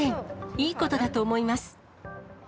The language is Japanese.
いいことだと思います。